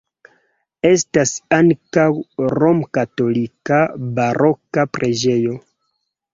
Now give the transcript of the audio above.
Estas ankaŭ romkatolika baroka preĝejo.